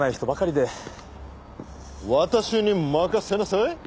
私に任せなさい。